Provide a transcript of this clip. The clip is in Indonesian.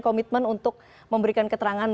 komitmen untuk memberikan keterangan